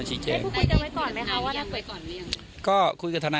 จนถึงถนานี้คือยืนยันว่า